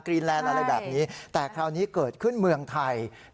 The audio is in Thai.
แลนด์อะไรแบบนี้แต่คราวนี้เกิดขึ้นเมืองไทย